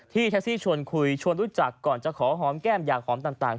แท็กซี่ชวนคุยชวนรู้จักก่อนจะขอหอมแก้มอยากหอมต่าง